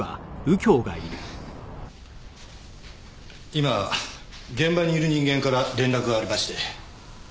今現場にいる人間から連絡がありまして。